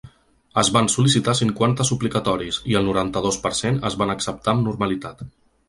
Es van sol·licitar cinquanta suplicatoris, i el noranta-dos per cent es van acceptar amb normalitat.